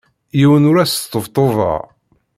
Yiwen ur as-sṭebṭubeɣ.